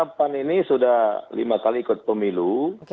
karena pan ini sudah lima kali ikut pemilu